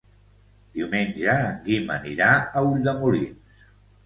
Diumenge en Guim anirà a Ulldemolins.